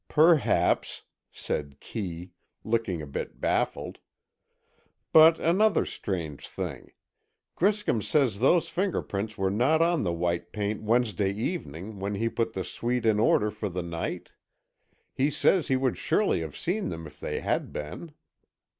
"Perhaps," said Kee, looking a bit baffled. "But another strange thing—Griscom says those fingerprints were not on the white paint Wednesday evening when he put the suite in order for the night. He says he would surely have seen them if they had been."